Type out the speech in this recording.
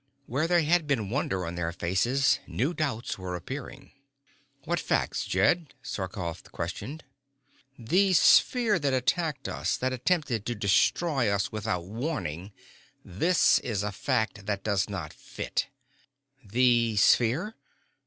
Where there had been wonder on their faces, new doubts were appearing. "What facts, Jed?" Sarkoff questioned. "The sphere that attacked us, that attempted to destroy us, without warning. This is a fact that does not fit." "The sphere?"